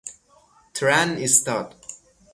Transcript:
ترن ایستاد